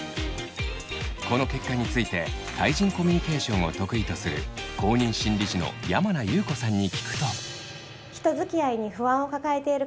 この結果について対人コミュニケーションを得意とする公認心理師の山名裕子さんに聞くと。